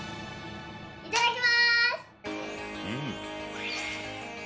いただきます！